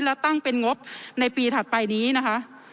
และตั้งเป็นงบในปีถัดไปนี้นะคะ